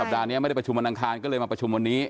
ปัดนี้ไม่ได้ประชุมวันอังคารก็เลยมาประชุมวันนี้